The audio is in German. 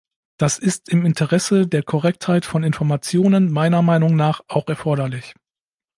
Das ist im Interesse der Korrektheit von Informationen meiner Meinung nach auch erforderlich.